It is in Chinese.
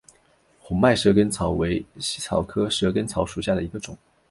红脉蛇根草为茜草科蛇根草属下的一个种。